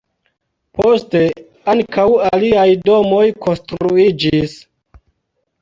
Poste ankaŭ aliaj domoj konstruiĝis.